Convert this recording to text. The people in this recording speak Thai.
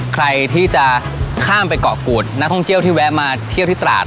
ใครที่จะข้ามไปเกาะกูดนักท่องเที่ยวที่แวะมาเที่ยวที่ตราด